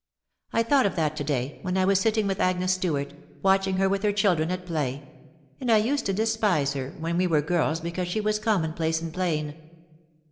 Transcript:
... I thought of that to day when I was sitting with Agnes Stewart, watching her with her children at play — and I used to despise her when we were girls because she was commonplace and plain.